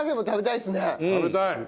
食べたい！